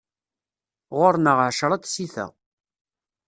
Ɣur-neɣ ɛecra tsita.